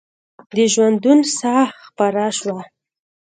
د ژوندون ساه خپره شوه